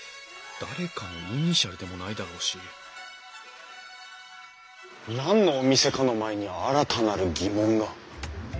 誰かのイニシャルでもないだろうし何のお店かの前に新たなる疑問が。